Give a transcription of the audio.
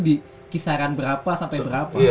di kisaran berapa sampai berapa